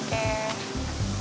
ini tuh coklat